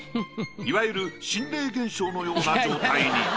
いわゆる心霊現象のような状態に。